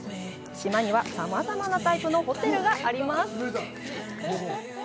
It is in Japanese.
島には、さまざまなタイプのホテルがあります。